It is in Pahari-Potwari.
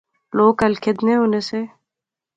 لوک ہل کھیدنے ہونے سے